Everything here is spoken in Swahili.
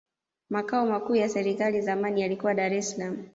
makao makuu ya serikali zamani yalikuwa dar es salaam